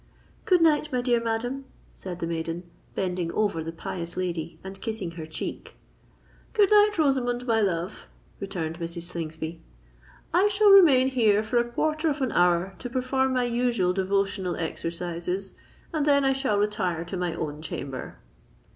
"Good night, my dear madam," said the maiden, bending over the pious lady and kissing her cheek. "Good night, Rosamond my love," returned Mrs. Slingsby. "I shall remain here for a quarter of an hour to perform my usual devotional exercises; and then I shall retire to my own chamber."